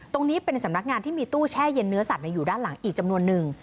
ตรงนี้เป็นสำนักงานที่มีตู้แช่เย็นเนื้อสัตว์อยู่ด้านหลังอีกจำนวนนึง